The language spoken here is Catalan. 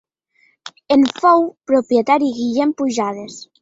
En fou propietari Guillem Pujades.